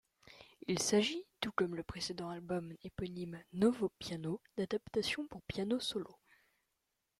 Il s'agit, tout comme le précèdent album éponyme Novö Piano, d'adaptations pour piano solo.